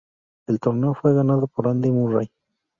El torneo fue ganado por Andy Murray.